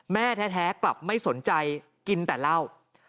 แม่แท้กลับไม่สนใจกินแต่เหล้า